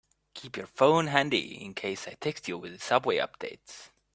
Keep your phone handy in case I text you with subway updates.